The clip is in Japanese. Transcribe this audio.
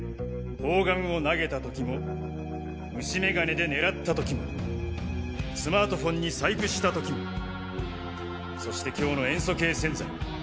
砲丸を投げた時も虫眼鏡で狙った時もスマートフォンに細工した時もそして今日の塩素系洗剤も。